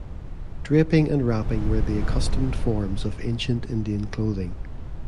Draping and wrapping were the accustomed forms of ancient Indian clothing.